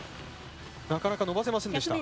なかなか伸ばせませんでした。